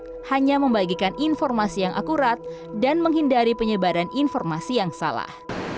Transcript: pemerintah hanya membagikan informasi yang akurat dan menghindari penyebaran informasi yang salah